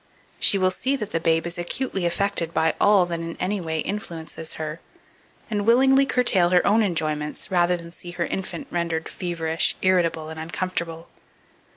She will see that the babe is acutely affected by all that in any way influences her, and willingly curtail her own enjoyments, rather than see her infant rendered feverish, irritable, and uncomfortable.